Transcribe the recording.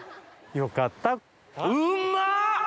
よかった